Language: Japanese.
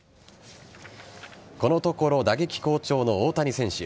このところ打撃好調の大谷選手。